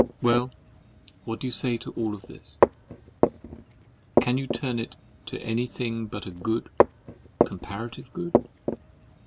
—Well, what do you say to all this? Can you turn it to any thing but good—comparative good?